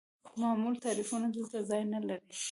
معمول تعریفونه دلته ځای نلري.